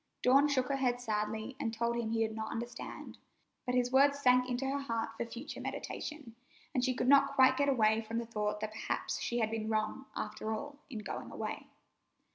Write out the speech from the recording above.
Dawn shook her head sadly and told him he did not understand, but his words sank into her heart for future meditation, and she could not quite get away from the thought that perhaps she had been wrong, after all, in going away.